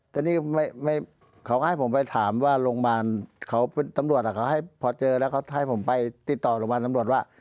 แต่นี่เขาก็ให้ผมไปถามว่าโรงพยาบาลเขาตำรวจเขาให้พอเจอแล้วเขาให้ผมไปติดต่อโรงพยาบาลตำรวจว่า